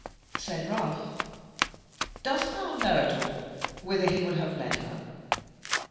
Said Ralph: "Dost thou know at all whither he will have led her?"